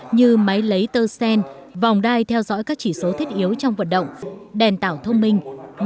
như máy lấy tơ sen vòng đai theo dõi các chỉ số thiết yếu trong vận động đèn tạo thông minh